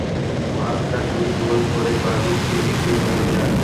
মার্তা দুই গোল করে ব্রাজিলকে এগিয়ে নিয়ে যান।